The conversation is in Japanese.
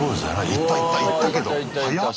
行った行った行ったけどはやっ！